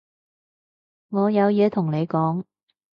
我有嘢同你講